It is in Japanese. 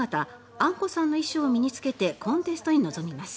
あんこさんの衣装を身に着けてコンテストに臨みます。